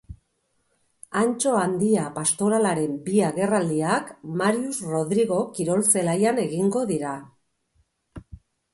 Antso Handia pastoralaren bi agerraldiak Marius Rodrigo kirol zelaian egingo dira.